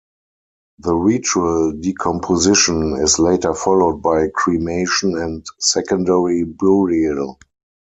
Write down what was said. The ritual decomposition is later followed by cremation and secondary burial.